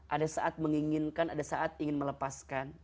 ada saat menginginkan ada saat ingin melepaskan